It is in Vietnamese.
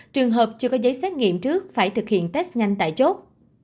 trường hợp chưa có giấy xét nghiệm trước phải thực hiện test nhanh tại chốt